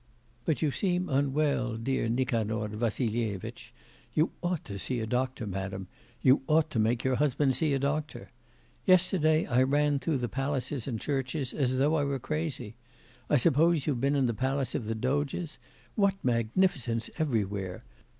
But you seem unwell, dear Nikanor Vassilyevitch. You ought to see a doctor; madam, you ought to make your husband see a doctor. Yesterday I ran through the palaces and churches, as though I were crazy. I suppose you've been in the palace of the Doges? What magnificence everywhere!